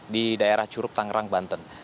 di daerah curug tangerang banten